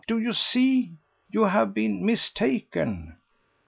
Do you see? You may have been mistaken."